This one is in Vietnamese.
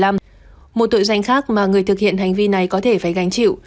một tội danh khác mà người thực hiện hành vi này có thể phải gánh chịu